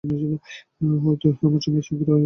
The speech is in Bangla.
হয়তো তাদের সঙ্গে আমার শীঘ্রই ইউরোপে দেখা হবে।